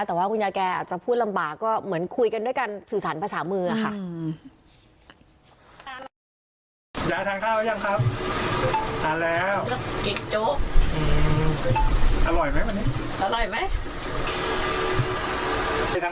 แต่ว่าคุณยายแกอาจจะพูดลำบากก็เหมือนคุยกันด้วยการสื่อสารภาษามือค่ะ